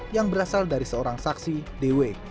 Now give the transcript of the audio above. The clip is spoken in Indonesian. yang berasal dari seorang saksi dewi